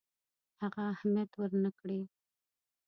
هغه اهمیت ورنه کړي.